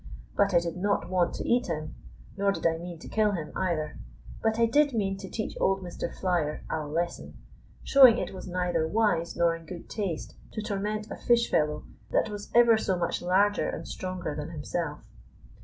But I did not want to eat him, nor did I mean to kill him, either. But I did mean to teach old Mister Flier a lesson, showing it was neither wise nor in good taste to torment a fish fellow that was ever so much larger and stronger than himself.